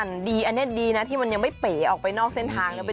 อันนี้ดีนะที่มันยังไม่เป๋ออกไปนอกเส้นทางแล้ว